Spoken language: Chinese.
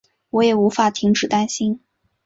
我也无法停止担心